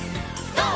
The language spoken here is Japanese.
ＧＯ！